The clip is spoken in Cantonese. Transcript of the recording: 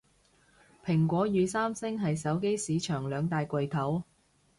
蘋果與三星係手機市場兩大巨頭